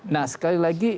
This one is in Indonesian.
nah sekali lagi